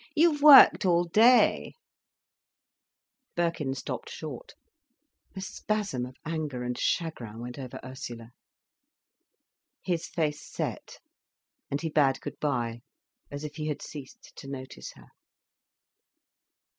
"You've worked all day—" Birkin stopped short. A spasm of anger and chagrin went over Ursula. His face set. And he bade good bye, as if he had ceased to notice her.